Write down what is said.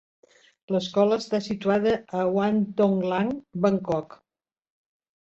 L'escola està situada a Wang Thong Lang, Bangkok.